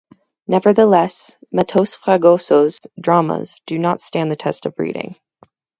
Nevertheless, Matos Fragoso's dramas do not stand the test of reading.